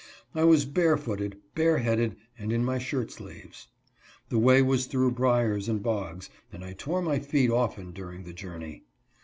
I was bare footed, bare headed, and in' my shirt sleeves. The way was through briers and bogs, and I tore my feet often during the journey.